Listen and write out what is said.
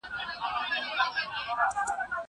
زه پرون چپنه پاکوم!!